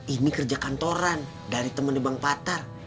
ini kerja kantoran dari temannya bang patar